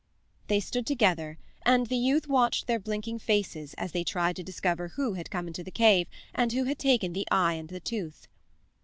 They stood together, and the youth watched their blinking faces as they tried to discover who had come into the cave, and who had taken the eye and the tooth.